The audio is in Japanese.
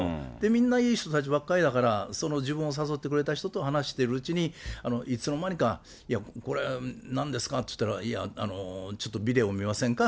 みんないい人たちばっかりだから、その自分を誘ってくれた人と話しているうちに、いつの間にか、いや、これ、なんですかって言ったら、いや、ちょっとビデオ見ませんか？